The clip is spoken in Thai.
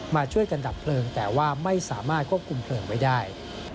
มาช่วยกันดับเพลิงแต่ว่าไม่สามารถควบคุมเพลิงไว้ได้